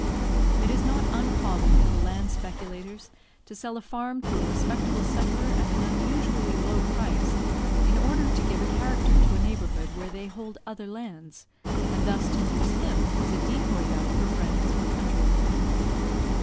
It is not uncommon for the land speculators to sell a farm to a respectable settler at an unusually low price, in order to give a character to a neighbourhood where they hold other lands, and thus to use him as a decoy duck for friends or countrymen.